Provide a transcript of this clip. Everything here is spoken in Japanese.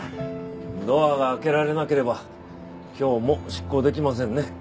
ドアが開けられなければ今日も執行できませんね。